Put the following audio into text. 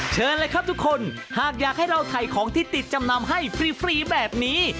เชิญเลยครับทุกคนหากอยากให้เราถ่ายของที่ติดจำนำให้ฟรีแบบนี้